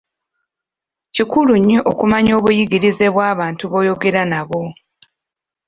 Kikulu nnyo okumanya obuyigirize bw'abantu boyogera nabo.